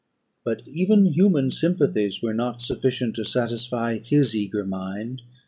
But even human sympathies were not sufficient to satisfy his eager mind.